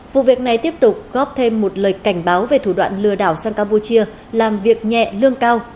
vụ việc này tiếp tục góp thêm một lời cảnh báo về thủ đoạn lừa đảo sang campuchia làm việc nhẹ lương cao